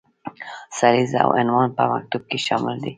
سریزه او عنوان په مکتوب کې شامل دي.